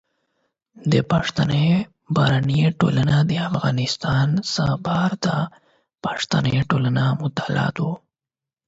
د پښتني بهرنۍ ټولنه د افغانستان څخه بهر د پښتني ټولنو مطالعه ده.